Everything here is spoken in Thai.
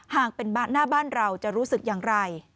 หากเป็นหน้าบ้านเราจะรู้สึกอย่างไร